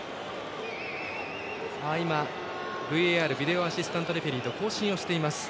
ＶＡＲ＝ビデオ・アシスタント・レフェリーと交信をしています。